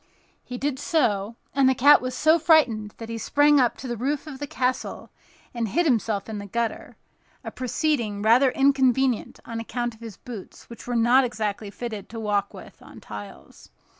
He did so; and the cat was so frightened that he sprang up to the roof of the castle and hid himself in the gutter—a proceeding rather inconvenient on account of his boots, which were not exactly fitted to walk with on tiles.